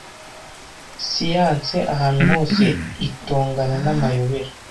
siyanse ahantu hose itongana n'amayobera